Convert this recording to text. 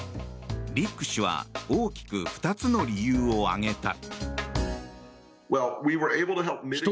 リック氏は大きく２つの理由を挙げた。